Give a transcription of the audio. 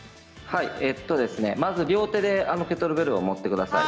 まず両手でケトルベルを持ってください。